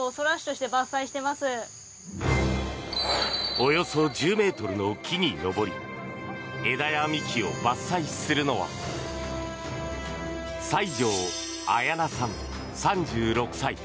およそ１０ｍの木に登り枝や幹を伐採するのは西條綾奈さん、３６歳。